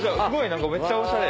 何かめっちゃおしゃれ。